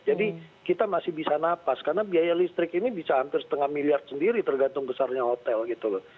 jadi kita masih bisa napas karena biaya listrik ini bisa hampir setengah miliar sendiri tergantung besarnya hotel gitu loh